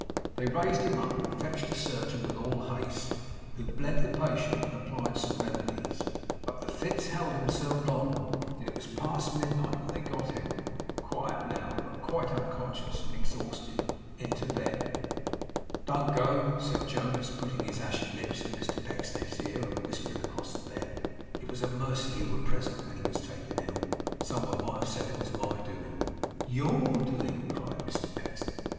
They raised him up, and fetched a surgeon with all haste, who bled the patient and applied some remedies; but the fits held him so long that it was past midnight when they got him quiet now, but quite unconscious and exhausted into bed. 'Don't go,' said Jonas, putting his ashy lips to Mr Pecksniff's ear and whispered across the bed. 'It was a mercy you were present when he was taken ill. Some one might have said it was my doing.' 'YOUR doing!' cried Mr Pecksniff.